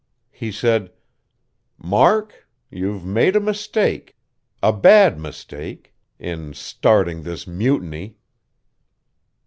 He said: "Mark, you've made a mistake. A bad mistake. In starting this mutiny."